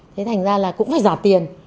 thế thành ra là cũng phải giả tiền